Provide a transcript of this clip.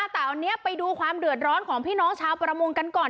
แต่อันนี้ไปดูความเดือดร้อนของพี่น้องชาวประมงกันก่อน